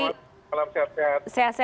selamat malam sehat sehat